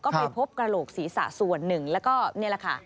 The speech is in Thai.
ก็ไปพบกระโหลกศีรษะส่วนหนึ่งแล้วก็นี่แหละค่ะ